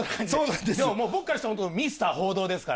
でも僕からしたら、ミスター報道ですから。